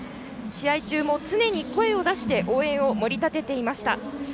試合中も常に声を出して応援を盛り立てていました。